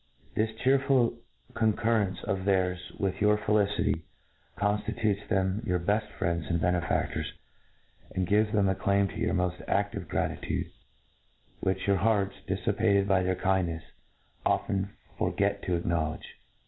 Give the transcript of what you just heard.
This chearful coi^currence of theirs with your felicity, confti tutfis them your beft friends and benefaftors, and gives them a claim to your moit a&ive gra titude — ^v^hich your hearts, diflipated by their kindn^fles, often forget to acknowledge.